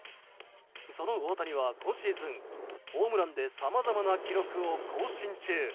その大谷は今シーズンホームランでさまざまな記録を更新中。